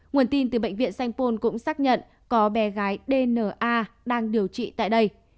nguồn tin từ bệnh viện senpon cũng xác nhận có bé gái dna đang điều trị tại đây